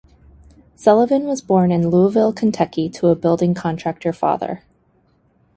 Sullivan was born in Louisville, Kentucky to a building contractor father.